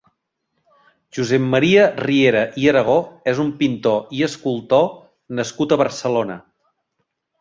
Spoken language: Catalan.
Josep Maria Riera i Aragó és un pintor i escultor nascut a Barcelona.